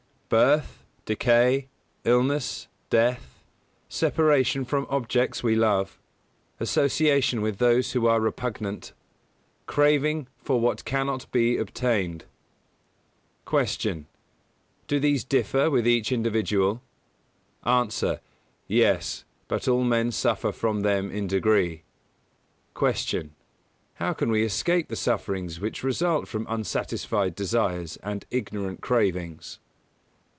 Birth, decay, illness, death, separation from objects we love, association with those who are repugnant, craving for what cannot be obtained. 123. Q. Do these differ with each individual? A. Yes: but all men suffer from them in degree. 124. Q. _How can we escape the sufferings which result from unsatisfied desires and ignorant cravings?